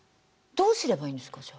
どうすればいいんですかじゃあ。